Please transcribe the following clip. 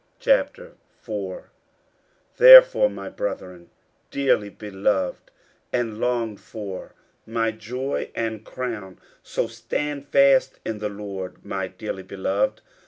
50:004:001 Therefore, my brethren dearly beloved and longed for, my joy and crown, so stand fast in the Lord, my dearly beloved.